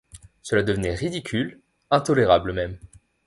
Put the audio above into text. Cela devenait ridicule, intolérable même.